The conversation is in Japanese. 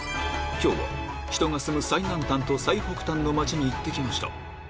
今日は人が住む最南端と最北端の街に行って来ました